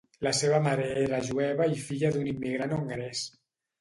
La seva mare era jueva i filla d'un immigrant hongarès.